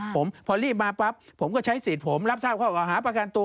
ผมพอรีบมาปั๊บผมก็ใช้สิทธิ์ผมรับทราบข้อเก่าหาประกันตัว